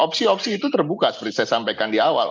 opsi opsi itu terbuka seperti saya sampaikan di awal